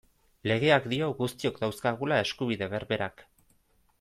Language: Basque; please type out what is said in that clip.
Legeak dio guztiok dauzkagula eskubide berberak.